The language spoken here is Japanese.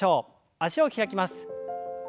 脚を開きます。